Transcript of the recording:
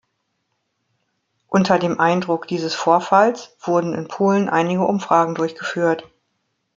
Unter dem Eindruck dieses Vorfalls wurden in Polen einige Umfragen durchgeführt.